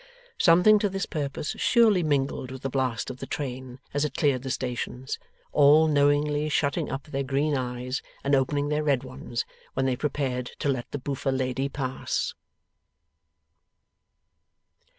Something to this purpose surely mingled with the blast of the train as it cleared the stations, all knowingly shutting up their green eyes and opening their red ones when they prepared to let the boofer lady pass.